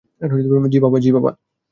জি, বাবা!